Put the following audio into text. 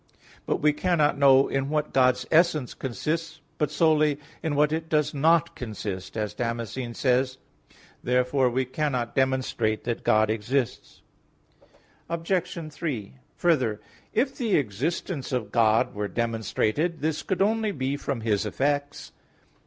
But we cannot know in what God's essence consists, but solely in what it does not consist; as Damascene says (De Fide Orth. i, 4). Therefore we cannot demonstrate that God exists. Obj. 3: Further, if the existence of God were demonstrated, this could only be from His effects.